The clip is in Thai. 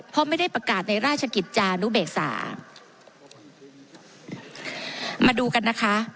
เพราะไม่ได้ประกาศในราชกิจจานุเบกษามาดูกันนะคะ